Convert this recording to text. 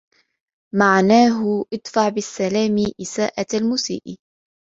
مَعْنَاهُ ادْفَعْ بِالسَّلَامِ إسَاءَةَ الْمُسِيءِ